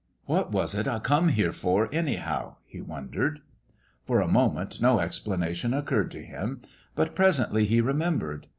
" What was it I come here for, anyhow ?" he wondered. For a moment no explanation occurred to him ; but presently he remembered.